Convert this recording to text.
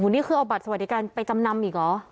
นี่คือเอาบัตรสวัสดิการไปจำนำอีกเหรอ